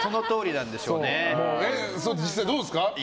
実際どうですか？